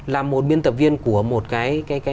là một biên tập viên của một cái